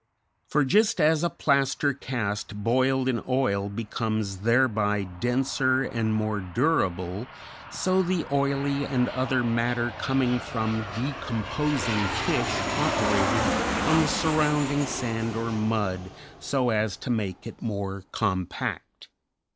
For just as a plaster cast boiled in oil becomes thereby denser and more durable, so the oily and other matter coming from decomposing fish operated on the surrounding sand or mud so as to make it more compact."